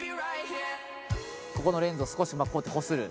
ここのレンズを少しこうやって、こする。